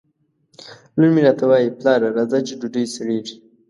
لور مې راته وایي ! پلاره راځه چې ډوډۍ سړېږي